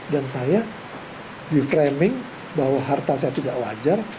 dan saya diframing bahwa harta saya tidak wajar